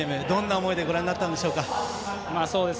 どんな思いでご覧になったんでしょうか？